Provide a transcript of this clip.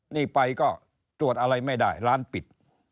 นี่ไปก็ตรวจอะไรไม่ได้ร้านปิด